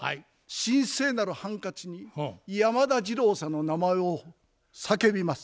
神聖なるハンカチに山田じろうさんの名前を叫びます。